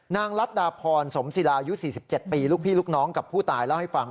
ลัดดาพรสมศิลายุ๔๗ปีลูกพี่ลูกน้องกับผู้ตายเล่าให้ฟัง